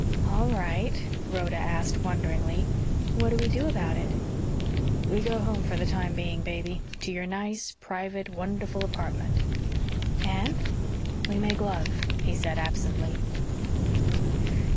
"All right," Rhoda asked wonderingly. "What do we do about it?" "We go home for the time being, baby to your nice, private, wonderful apartment." "And ...?" "We make love," he said absently.